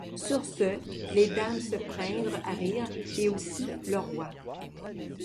Sur ce, les dames se prindrent à rire et aussy le Roy.